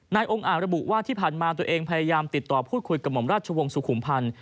องค์อ่างระบุว่าที่ผ่านมาตัวเองพยายามติดต่อพูดคุยกับห่อมราชวงศ์สุขุมพันธ์